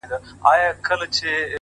ه چیري یې د کومو غرونو باد دي وهي ـ